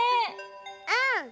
うん。